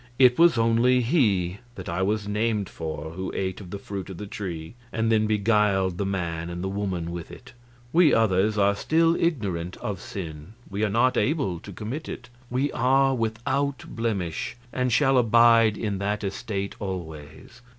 It was only he that I was named for who ate of the fruit of the tree and then beguiled the man and the woman with it. We others are still ignorant of sin; we are not able to commit it; we are without blemish, and shall abide in that estate always.